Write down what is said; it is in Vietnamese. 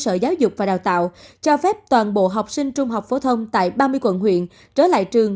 sở giáo dục và đào tạo cho phép toàn bộ học sinh trung học phổ thông tại ba mươi quận huyện trở lại trường